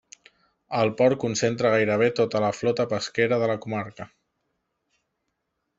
El port concentra gairebé tota la flota pesquera de la comarca.